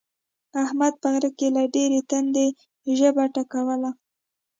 احمد په غره کې له ډېرې تندې ژبه ټکوله.